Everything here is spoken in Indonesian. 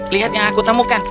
lihat yang aku temukan